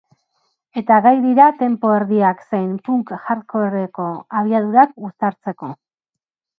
Eta gai dira tempo erdiak zein punk-hardcoreko abiadurak uztartzeko.